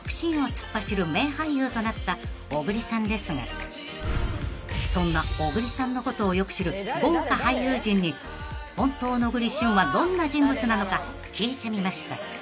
［となった小栗さんですがそんな小栗さんのことをよく知る豪華俳優陣に本当の小栗旬はどんな人物なのか聞いてみました］